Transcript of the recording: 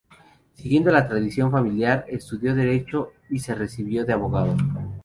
Siguiendo la tradición familiar estudió derecho y se recibió de abogado.